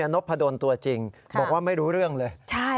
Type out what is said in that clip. นพดลตัวจริงบอกว่าไม่รู้เรื่องเลย